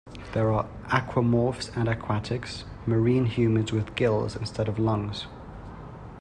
There are aquamorphs and aquatics, marine humans with gills instead of lungs.